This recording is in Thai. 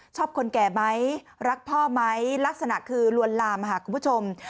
คนแก่ไหมรักพ่อไหมลักษณะคือลวนลามค่ะคุณผู้ชม